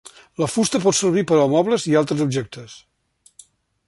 La fusta pot servir per a mobles i altres objectes.